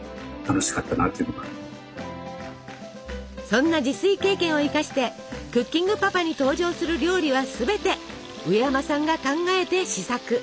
そんな自炊経験を生かして「クッキングパパ」に登場する料理はすべてうえやまさんが考えて試作。